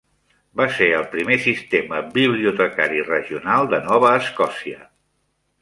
Va ser el primer sistema bibliotecari regional de Nova Escòcia.